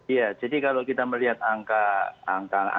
iya jadi kalau kita melihat angka angka